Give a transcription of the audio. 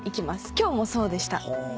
今日もそうでした。